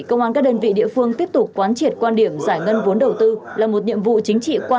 cảm ơn các quý vị đã theo dõi và hẹn gặp lại